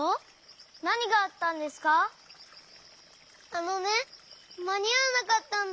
あのねまにあわなかったんだ。